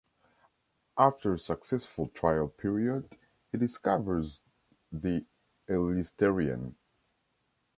After a successful trial period, he discovers the Elitserien.